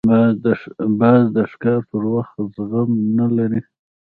باز د ښکار پر وخت زغم نه لري